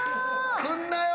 来んなよ。